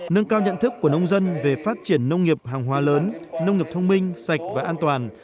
nâng cao nhận thức của nông dân về phát triển nông nghiệp hàng hóa lớn nông nghiệp thông minh sạch và an toàn